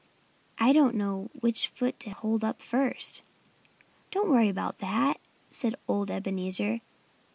I don't know which foot to hold up first." "Don't worry about that!" said old Ebenezer.